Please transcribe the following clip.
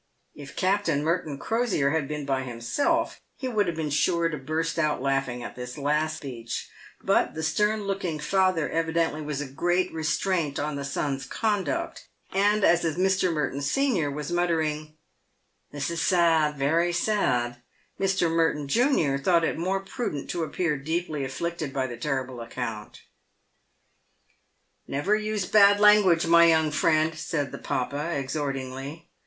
If Captain Merton Crosier had been by himself, he would have been sure to burst out laughing at this last speech, but the stern looking father evidently was a great restraint on the son's conduct, and as Mr. Merton, senior, was muttering, " This is sad, very sad," Mr. Merton, junior, thought it more prudent to appear deeply afflicted by the terrible account. " Never use bad language, my young friend," said the papa, ex hort ingly.